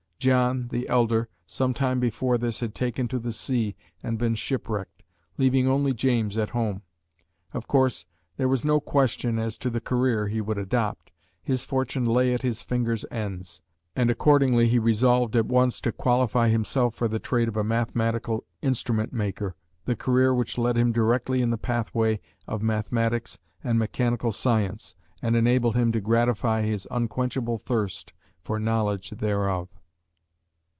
John, the elder, some time before this had taken to the sea and been shipwrecked, leaving only James at home. Of course, there was no question as to the career he would adopt. His fortune "lay at his fingers' ends," and accordingly he resolved at once to qualify himself for the trade of a mathematical instrument maker, the career which led him directly in the pathway of mathematics and mechanical science, and enabled him to gratify his unquenchable thirst for knowledge thereof.